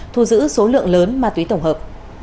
thu giữ số lượng lớn ma túy tổng hợp